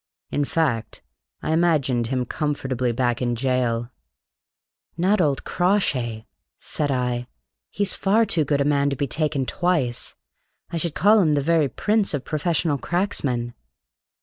In fact, I imagined him comfortably back in jail." "Not old Crawshay!" said I. "He's far too good a man to be taken twice. I should call him the very prince of professional cracksmen."